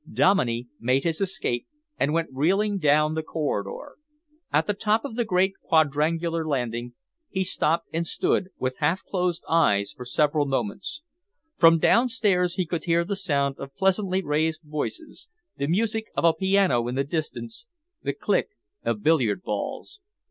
Dominey made his escape and went reeling down the corridor. At the top of the great quadrangular landing he stopped and stood with half closed eyes for several moments. From downstairs he could hear the sound of pleasantly raised voices, the music of a piano in the distance, the click of billiard balls.